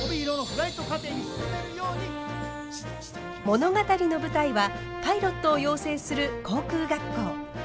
物語の舞台はパイロットを養成する航空学校。